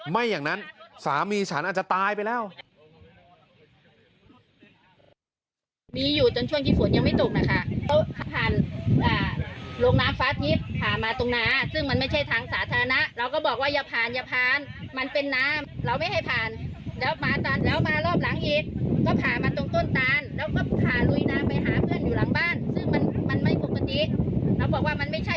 ไม่อย่างนั้นสามีฉันอาจจะตายไปแล้ว